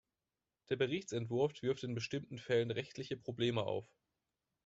Der Berichtsentwurf wirft in bestimmten Fällen rechtliche Probleme auf.